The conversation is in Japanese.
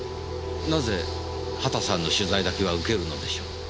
なぜ畑さんの取材だけは受けるのでしょう？